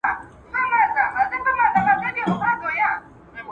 موږ په ورزش کولو اخته یو.